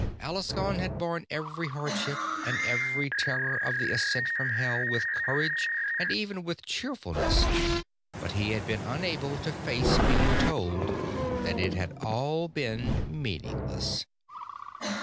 Alaskon had borne every hardship and every terror of the ascent from Hell with courage and even with cheerfulness but he had been unable to face being told that it had all been meaningless.